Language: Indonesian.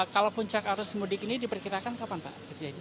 kalau puncak arus mudik ini diperkirakan kapan pak